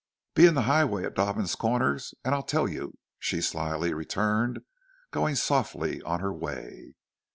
"Be in the highway at Dobbins' corner, and I'll tell you," she slyly returned, going softly on her way.